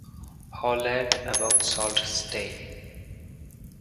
Holland এবং salt stay.